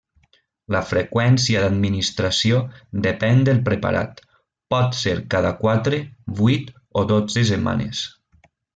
La freqüència d'administració depèn del preparat: pot ser cada quatre, vuit o dotze setmanes.